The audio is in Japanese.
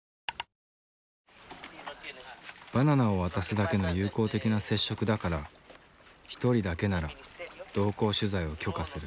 バナナを渡すだけの友好的な接触だから１人だけなら同行取材を許可する。